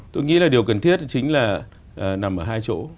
tôi nghĩ là điều cần thiết chính là nằm ở hai chỗ